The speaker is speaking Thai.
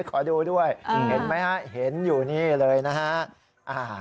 ขอดูด้วยเห็นไหมฮะเห็นอยู่นี่เลยนะฮะ